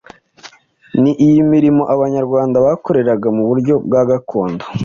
Ni iyihe mirimo Abanyarwanda bikoreraga mu buryo bwa gakondo?